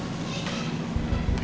jangan sampai kamu emosi